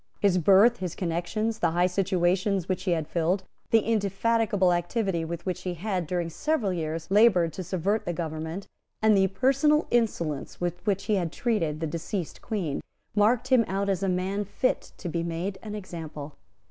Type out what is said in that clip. His birth, his connections, the high situations which he had filled, the indefatigable activity with which he had, during several years, laboured to subvert the government, and the personal insolence with which he had treated the deceased Queen, marked him out as a man fit to be made an example.